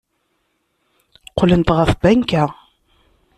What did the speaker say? Qqlent ɣer tbanka.